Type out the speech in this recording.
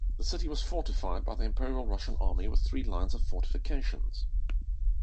The city was fortified by the Imperial Russian Army with three lines of fortifications.